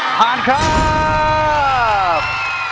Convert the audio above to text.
ผ่านครับ